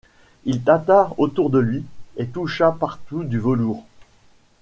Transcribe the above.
Il tâta autour de lui et toucha partout du velours.